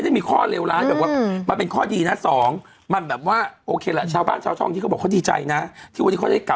แทนที่เขาอยู่บ้านกันเฉยเขาก็ได้มีรายได้ของเขา